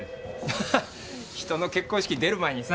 ハハハ人の結婚式出る前にさ